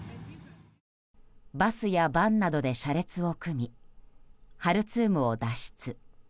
バスやバンなどで車列を組みハルツームを脱出。